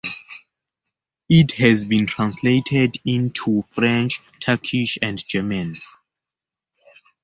It has been translated into French, Turkish, and German.